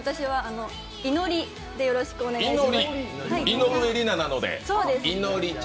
いのりでよろしくお願いします。